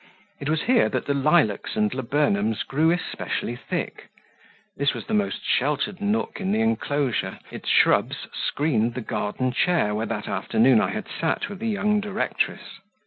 It was here that the lilacs and laburnums grew especially thick; this was the most sheltered nook in the enclosure, its shrubs screened the garden chair where that afternoon I had sat with the young directress.